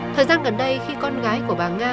thời gian gần đây khi con gái của bà nga